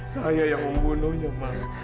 saya yang membunuhnya mak